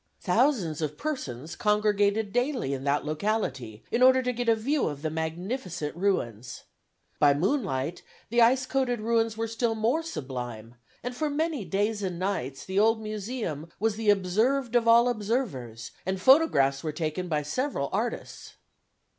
Thousands of persons congregated daily in that locality in order to get a view of the magnificent ruins. By moonlight the ice coated ruins were still more sublime; and for many days and nights the old Museum was "the observed of all observers," and photographs were taken by several artists.